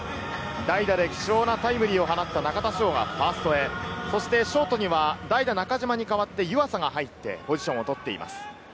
代打で貴重なタイムリーを放った中田翔がファーストへ、そしてショートには代打・中島に代わって湯浅が入ってポジションを取っています。